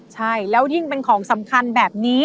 ใช่แล้วยิ่งเป็นของสำคัญแบบนี้